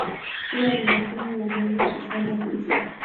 kuwa ni jukumu la jamii kufanya hivyo